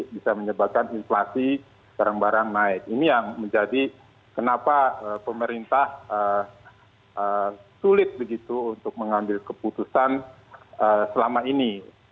bisa menyebabkan inflasi barang barang naik ini yang menjadi kenapa pemerintah sulit begitu untuk mengambil keputusan selama ini